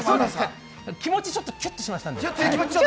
気持ちちょっとキュッとしましたんで。